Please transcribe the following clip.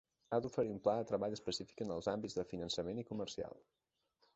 Ha d'oferir un pla de treball específic en els àmbits de finançament i comercial.